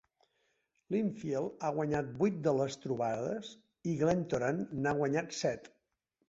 Linfield ha guanyat vuit de les trobades i Glentoran n'ha guanyat set.